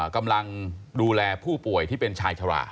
กำลังดูแลผู้ป่วยที่เป็นชายชะลา